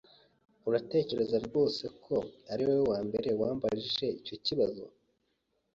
Uratekereza rwose ko ariwowe wambere wambajije icyo kibazo?